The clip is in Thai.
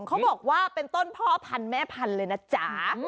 เขาบอกว่าเป็นต้นพ่อพันธุ์แม่พันธุ์เลยนะจ๊ะ